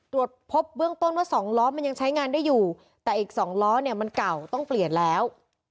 ตรวจพบเบื้องต้นว่า๒ล้อมันยังใช้งานได้อยู่แต่อีก๒ล้อเนี่ยมันเก่าต้องเปลี่ยนแล้ว